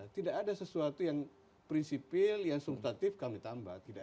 tidak ada sesuatu yang prinsipil yang substatif kami tambah